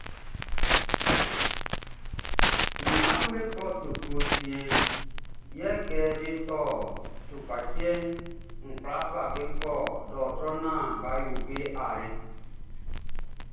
Mi mmaʼm be kwla kɔ suklu siɛnʼn, yɛ kɛ be tɔ tukpacɛʼn, n kwla fa be kɔ dɔɔtrɔ lɔ naan be yo be ayre.